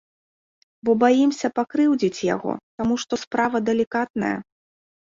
Бо баімся пакрыўдзіць яго, таму што справа далікатная.